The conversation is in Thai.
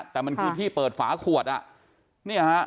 แต่มันคือที่เปิดฝาขวดอ่ะเนี่ยฮะ